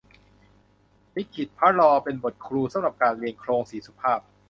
ลิลิตพระลอ เป็นบทครูสำหรับการเรียนโคลงสี่สุภาพ